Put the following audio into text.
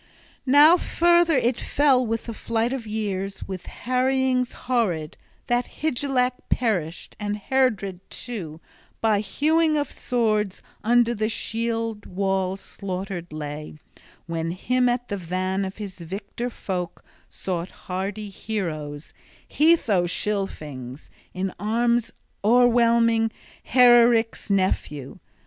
Now further it fell with the flight of years, with harryings horrid, that Hygelac perished, {29c} and Heardred, too, by hewing of swords under the shield wall slaughtered lay, when him at the van of his victor folk sought hardy heroes, Heatho Scilfings, in arms o'erwhelming Hereric's nephew.